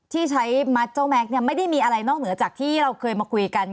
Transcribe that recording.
ที่ใช้มัดเจ้าแม็กซ์เนี่ยไม่ได้มีอะไรนอกเหนือจากที่เราเคยมาคุยกัน